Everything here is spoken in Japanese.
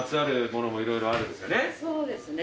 そうですね